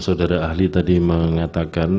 saudara ahli tadi mengatakan